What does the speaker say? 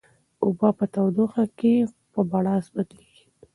اوبه په تودوخه کې په بړاس بدلیږي.